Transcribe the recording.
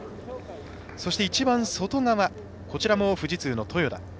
そして１番外側こちらも富士通の豊田。